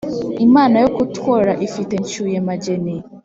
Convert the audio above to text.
imana yo kutworora ifite ncyuye-mageni.